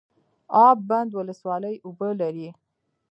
اب بند ولسوالۍ اوبه لري؟